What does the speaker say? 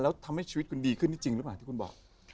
แล้วทำให้ชีวิตคุณดีขึ้นที่จริงหรือเปล่าที่คุณบอก